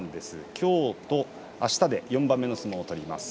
きょうとあすで４番目の相撲を取ります。